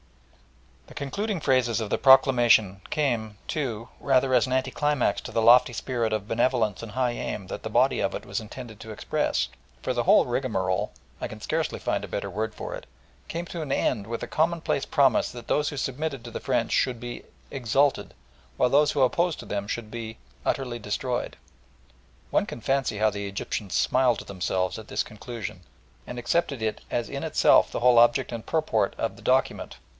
The concluding phrases of the proclamation came, too, rather as an anti climax to the lofty spirit of benevolence and high aim that the body of it was intended to express, for the whole rigmarole I can scarcely find a better word for it came to an end with a commonplace promise that those who submitted to the French should be "exalted," while those who opposed them should be "utterly destroyed." One can fancy how the Egyptians smiled to themselves at this conclusion and accepted it as in itself the whole object and purport of the document.